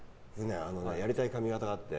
やりたい髪形があって